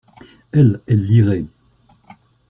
Elles, elles liraient.